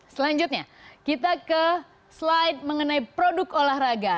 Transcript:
selanjutnya kita ke slide mengenai produk olahraga